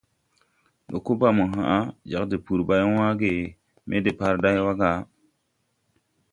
Ndo ko ba mo hoʼ jāg tpuri bày wããge me de depārday wa ga?